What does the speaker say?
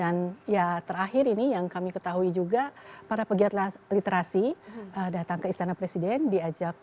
dan ya terakhir ini yang kami ketahui juga para pejabatxt persi datang ke istana presiden diajak